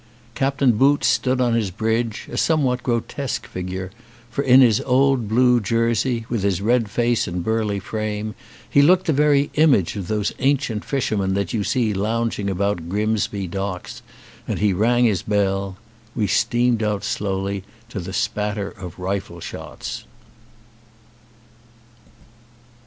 Captain Boots stood on his bridge, a somewhat grotesque figure, for in his old blue jersey, with his red face and burly frame, he looked the very image of those ancient fishermen that you see lounging about Grimsby docks, and he rang his bell. We steamed out slowly to the spatter of rifle shots.